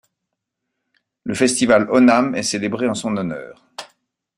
Le festival Onam est célébré en son honneur.